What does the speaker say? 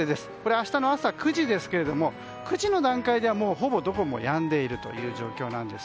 明日の朝９時ですが９時の段階ではほぼ、どこもやんでいるという状況です。